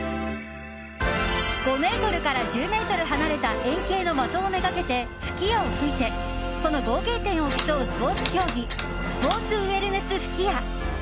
５ｍから１０ｍ離れた円形の的をめがけて吹矢を吹いてその合計点を競うスポーツ競技スポーツウエルネス吹矢。